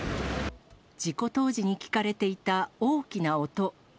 事故当時に聞かれていた大きな音。